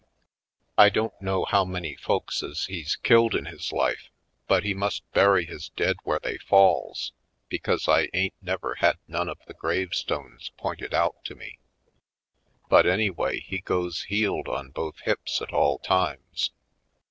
I don't know how many folkses he's killed 202 /. Poindexter^ Colored in his life, but he must bury his dead where they falls, because I ain't never had none of the gravestones pointed out to me. But, anyv^ay, he goes heeled on both hips at all times.